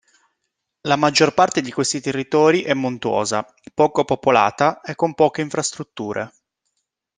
La maggior parte di questi territori è montuosa, poco popolata, e con poche infrastrutture.